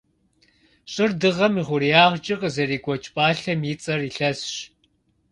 Щӏыр Дыгъэм и хъуреягъкӏэ къызэрекӏуэкӏ пӏалъэм и цӏэр илъэсщ.